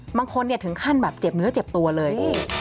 บางคนถึงขั้นแบบเจ็บเนื้อเจ็บตัวเลย